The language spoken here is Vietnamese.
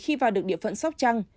nếu bà con vào được địa phận sóc trang